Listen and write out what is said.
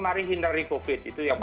mari hindari covid